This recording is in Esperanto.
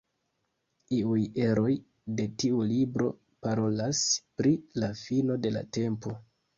Iuj eroj de tiu libro parolas pri la fino de la tempo.